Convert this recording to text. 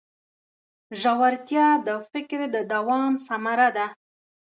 ژورتیا د فکر د دوام ثمره ده.